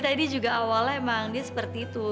tadi juga awalnya emang dia seperti itu